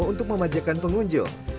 untuk memajakan pengunjung